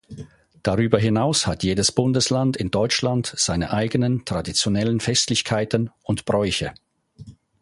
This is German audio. Darüber hinaus hat jedes Bundesland in Deutschland seine eigenen traditionellen Festlichkeiten und Bräuche.